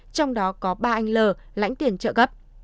trong đó có ba anh l lãnh tiền trợ cấp